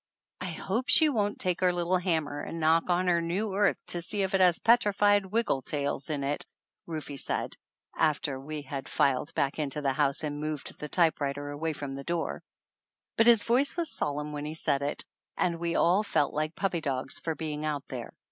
"I hope she won't take her little hammer and knock on her new earth to see if it has petrified wiggle tails in it," Rufe said, after we had filed back into the house and moved the typewriter THE ANNALS OF ANN away from the door. But his voice was solemn when he said it, and we all felt like puppy dogs for being out there.